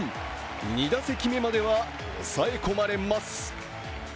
２打席目までは抑え込まれます。